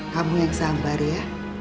kamu yang sabar ya